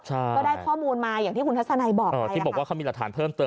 ใช่ก็ได้ข้อมูลมาอย่างที่คุณทัศนัยบอกที่บอกว่าเขามีหลักฐานเพิ่มเติม